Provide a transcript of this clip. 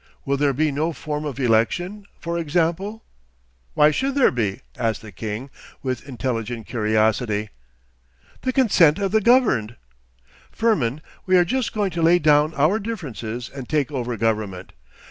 Will there be no form of election, for example?' 'Why should there be?' asked the king, with intelligent curiosity. 'The consent of the governed.' 'Firmin, we are just going to lay down our differences and take over government.